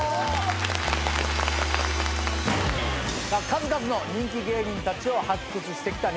数々の人気芸人たちを発掘してきた。